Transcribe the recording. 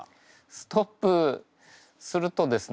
ストップするとですね